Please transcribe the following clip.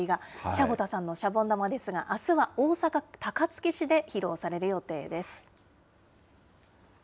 しゃぼたさんのシャボン玉ですが、あすは大阪・高槻市で披露される予定です。